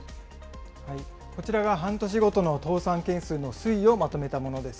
こちらが半年ごとの倒産件数の推移をまとめたものです。